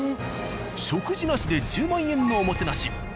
食事なしで１０万円のおもてなし。